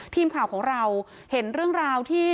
ทีมข่าวของเราเห็นเรื่องราวที่